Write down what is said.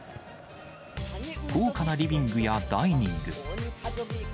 豪華なリビングやダイニング。